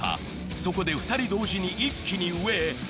そこで２人同時に一気に上へ。